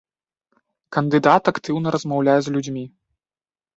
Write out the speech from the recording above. Кандыдат актыўна размаўляе з людзьмі.